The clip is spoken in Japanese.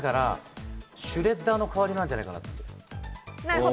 シュレッターの代わりなんじゃないかなと。